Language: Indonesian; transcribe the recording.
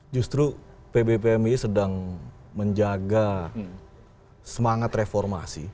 justru pb pmi sedang menjaga semangat reformasi